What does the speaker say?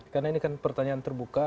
karena ini kan pertanyaan terbuka